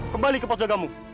kembali ke pos jagamu